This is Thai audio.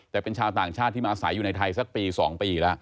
แต่เป็นชาวต่างชาติที่มาอาศัยอยู่ในไทยสักปี๒ปีแล้ว